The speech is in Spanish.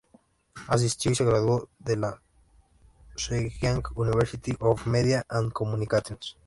Asistió y se graduó de la Zhejiang University of Media and Communications.